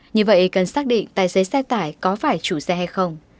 như vậy cần xác định tài xế xe tải có phải chủ xe hay không